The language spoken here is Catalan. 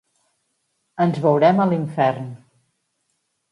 Ens veurem a l’infern.